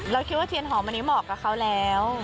เราคิดว่าเทียนหอมเหมาะกับเขาแล้ว